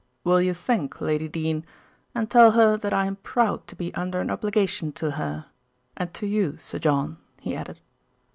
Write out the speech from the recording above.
"Will you thank Lady Dene and tell her that I am proud to be under an obligation to her and to you, Sir John," he added.